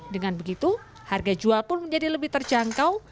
dengan begitu harga jual pun menjadi lebih terjangkau